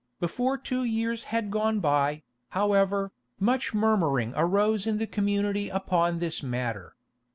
Before two years had gone by, however, much murmuring arose in the community upon this matter.